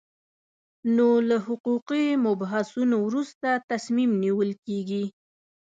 نو له حقوقي مبحثونو وروسته تصمیم نیول کېږي.